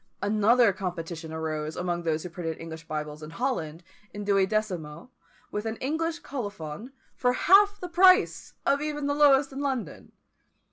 Another competition arose among those who printed English Bibles in Holland, in duodecimo, with an English colophon, for half the price even of the lowest in London.